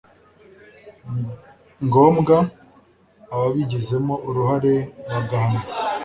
ngombwa ababigizemo uruhare bagahanwa